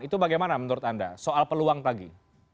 itu bagaimana menurut anda soal peluang lagi